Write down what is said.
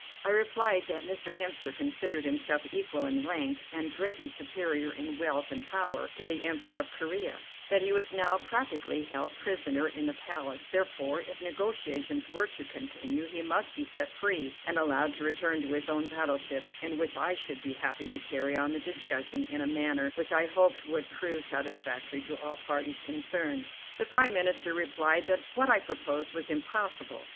I replied that Mr. Hemster considered himself equal in rank, and greatly superior in wealth and power, to the Emperor of Corea; that he was now practically held prisoner in the Palace; therefore, if negotiations were to continue, he must be set free, and allowed to return to his own battleship, in which I should be happy to carry on the discussion in a manner which I hoped would prove satisfactory to all parties concerned. The Prime Minister replied that what I proposed was impossible.